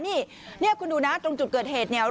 นี่คุณดูนะตรงจุดเกิดเหตุเนี่ย